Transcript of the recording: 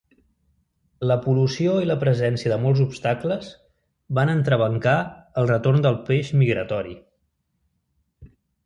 La pol·lució i la presència de molts obstacles van entrebancar el retorn del peix migratori.